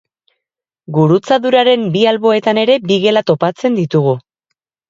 Gurutzaduraren bi alboetan ere bi gela topatzen ditugu.